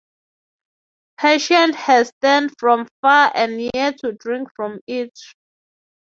Patients hastened from far and near to drink from it.